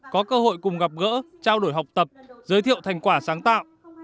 có cơ hội cùng gặp gỡ trao đổi học tập giới thiệu thành quả sáng tạo